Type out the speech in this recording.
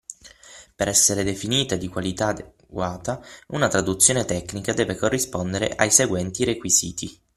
Per essere definita di qualità adeguata, una traduzione tecnica deve corrispondere ai seguenti requisiti.